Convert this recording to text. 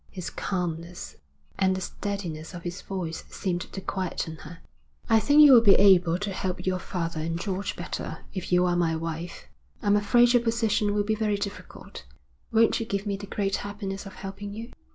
His calmness, and the steadiness of his voice seemed to quieten her. 'I think you will be able to help your father and George better if you are my wife. I'm afraid your position will be very difficult. Won't you give me the great happiness of helping you?'